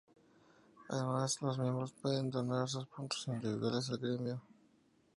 Además, los miembros pueden donar sus puntos individuales al gremio.